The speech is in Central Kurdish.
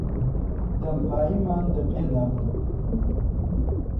دەمپاییمان دەپێدا بوو.